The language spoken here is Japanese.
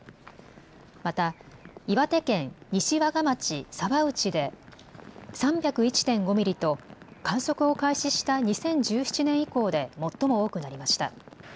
また岩手県西和賀町沢内で３０１．５ミリと観測を開始した２０１７年以降で最も多くなりました。